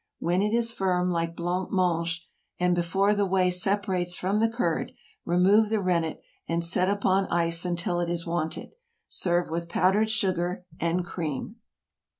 When it is firm, like blanc mange, and before the whey separates from the curd, remove the rennet, and set upon ice until it is wanted. Serve with powdered sugar and cream.